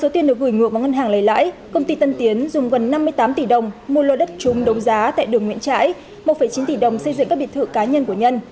từ tháng lấy lại công ty tân tiến dùng gần năm mươi tám tỷ đồng mua lo đất chung đồng giá tại đường nguyễn trãi một chín tỷ đồng xây dựng các biệt thự cá nhân của nhân